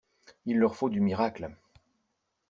Il leur faut du miracle.